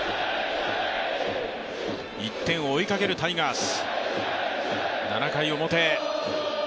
１点を追いかけるタイガース。